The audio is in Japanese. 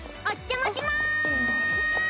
あっ。